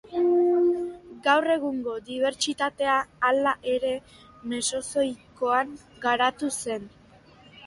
Gaur egungo dibertsitatea, hala ere, Mesozoikoan garatu zen.